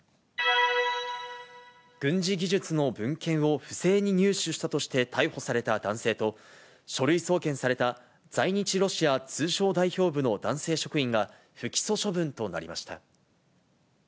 軍事技術の文献を不正に入手したとして逮捕された男性と、書類送検された在日ロシア通商代表部の男性職員が不起訴処分となりました。